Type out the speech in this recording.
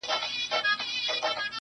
• نن مي خیال خمار خمار لکه خیام دی..